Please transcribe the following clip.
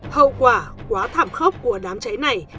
hậu quả quá thảm khốc của đám cháy này